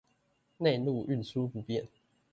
內陸運輸不便